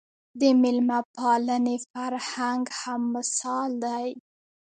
د مېلمه پالنې فرهنګ هم مثال دی